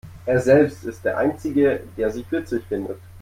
Er selbst ist der Einzige, der sich witzig findet.